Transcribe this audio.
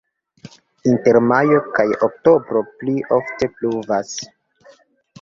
Inter majo kaj oktobro pli ofte pluvas.